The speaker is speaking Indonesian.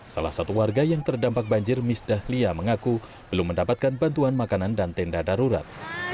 salah satu warga yang terdampak banjir misdahlia mengaku belum mendapatkan bantuan makanan dan tenda darurat